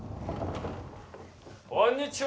こんにちは！